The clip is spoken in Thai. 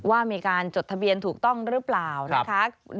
ว่ามีการจดทะเบียนถูกต้องหรือเปล่านะคะ